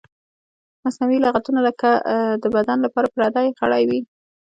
مصنوعي لغتونه لکه د بدن لپاره پردی غړی وي.